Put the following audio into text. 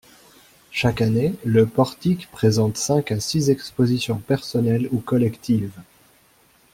Chaque année, le Portique présente cinq à six expositions personnelles ou collectives.